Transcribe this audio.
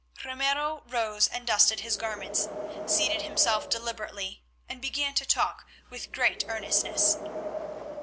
Ramiro rose, dusted his garments, seated himself deliberately, and began to talk with great earnestness.